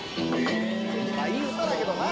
いい歌だけどな。